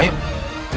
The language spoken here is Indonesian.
terima kasih gusdi